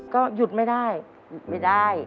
ก็หยุดไม่ได้ไม่ได้